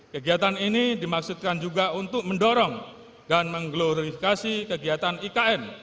kegiatan ini dimaksudkan juga untuk mendorong dan mengglorifikasi kegiatan ikn